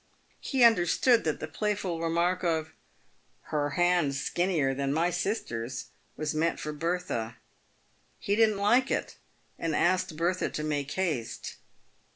He understood that the playful remark of " Her hand's skinnier than my sister's," was meant for Bertha. He didn't like it, and asked Bertha to make haste.